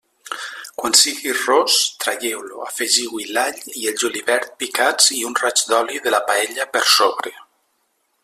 Quan sigui ros, traieu-lo, afegiu-hi l'all i el julivert picats i un raig d'oli de la paella per sobre.